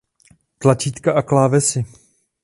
Tlačítka a klávesy